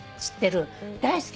知ってる？